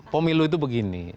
pemilu itu begini